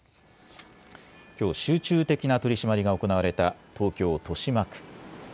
きょう集中的な取締りが行われた東京豊島区。